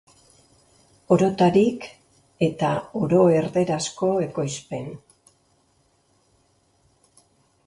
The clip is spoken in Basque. Orotarik, eta oro erdarazko ekoizpen.